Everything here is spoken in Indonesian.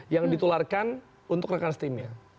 yang ditularkan untuk rekan stimil